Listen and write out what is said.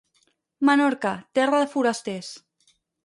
Menorca, terra de forasters.